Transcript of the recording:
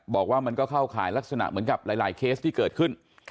บอกว่ามันก็เข้าข่ายลักษณะเหมือนกับหลายเคสที่เกิดขึ้น